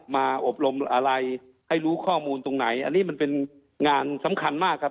อบรมอะไรให้รู้ข้อมูลตรงไหนอันนี้มันเป็นงานสำคัญมากครับ